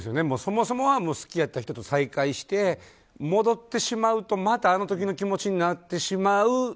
そもそもは好きやった人と再会して戻ってしまうとまたあの時の気持ちになってしまう。